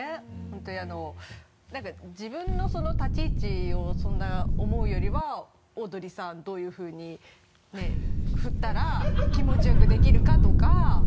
本当にあの何か自分の立ち位置をそんな思うよりはオードリーさんどういうふうにねふったら気持ちよくできるかとか。